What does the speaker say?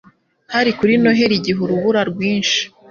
Hari kuri Noheri igihe urubura rwinshi.